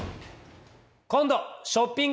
今度ショッピング